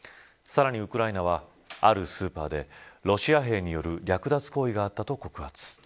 さらにウクライナはあるスーパーでロシア兵による略奪行為があったと告発。